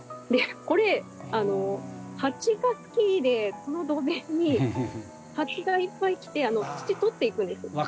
これ蜂が好きでこの土塀に蜂がいっぱい来て土取っていくんですね。